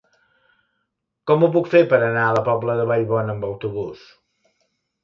Com ho puc fer per anar a la Pobla de Vallbona amb autobús?